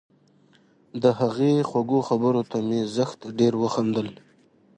د هغې خوږو خبرو ته مې زښت ډېر وخندل